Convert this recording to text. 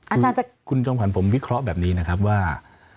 อาจารย์คุณจอมขวัญผมวิเคราะห์แบบนี้นะครับว่า